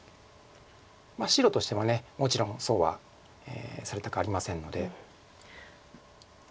白としてももちろんそうはされたくありませんので。